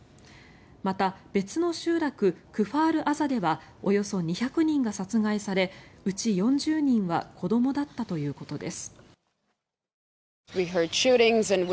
また、別の集落クファール・アザではおよそ２００人が殺害されうち４０人は子どもだったということです。